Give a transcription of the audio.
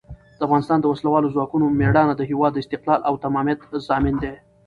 د افغانستان د وسلوالو ځواکونو مېړانه د هېواد د استقلال او تمامیت ضامن ده.